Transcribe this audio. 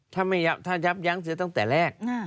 ถ้ายับยั้งเสียตั้งแต่แรก